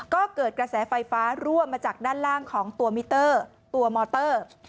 ก็เกิดกระแสไฟฟ้ารั่วมาจากด้านล่างของตัวมิเตอร์ตัวมอเตอร์